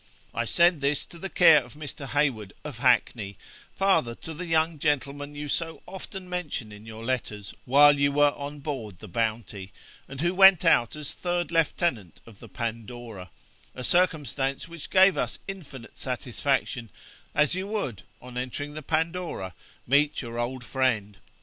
I send this to the care of Mr. Hayward, of Hackney, father to the young gentleman you so often mention in your letters while you were on board the Bounty, and who went out as third lieutenant of the Pandora a circumstance which gave us infinite satisfaction, as you would, on entering the Pandora, meet your old friend.